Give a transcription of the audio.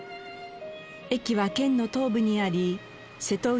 駅は県の東部にあり瀬戸内